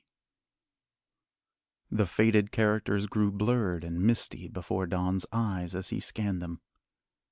B." The faded characters grew blurred and misty before Don's eyes as he scanned them.